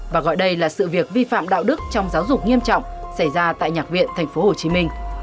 và gọi đây là sự việc vi phạm đạo đức trong giáo dục nghiêm trọng xảy ra tại nhạc viện tp hcm